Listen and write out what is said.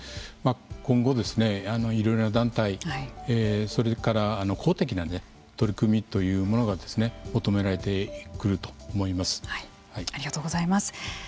今後、いろいろな団体それから公的な取り組みというものがありがとうございます。